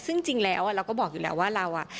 ซึ่งจริงแล้วเราก็บอกอยู่แล้วว่าเราอ่ะ